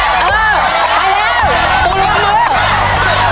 เพื่อนก็ปล่อยนะค่ะ